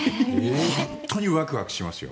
本当にワクワクしますよ。